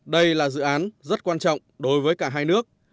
đây là dự án rất quan trọng đối với cả hai nước